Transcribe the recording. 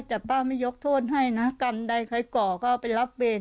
แต่ป้าไม่ยกโทษให้นะกรรมใดใครก่อก็ไปรับเวร